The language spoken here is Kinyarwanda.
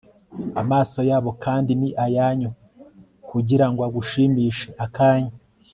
Amaso yabo kandi ni ayanyu kugirango agushimishe akanya